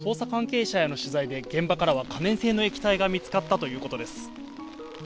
その後、捜査関係者への取材で、現場からは可燃性の液体が見つかったということです。